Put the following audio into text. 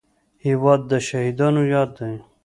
هېواد د شهیدانو یاد دی.